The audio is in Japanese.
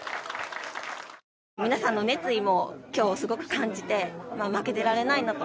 皆さんの熱意も今日すごく感じて負けてられないなと。